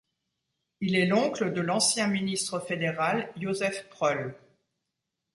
Il est l'oncle de l'ancien ministre fédéral Josef Pröll.